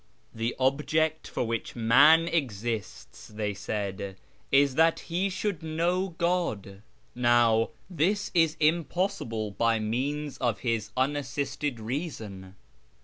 " The object for wdiich man exists," they said, " is that he should know God. JSTow this is impossible by means of his unassisted reason.